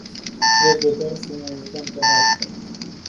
Trebuie doar să ne uităm pe hartă.